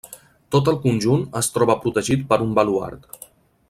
Tot el conjunt es troba protegit per un baluard.